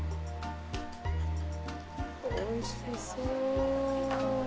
・おいしそう。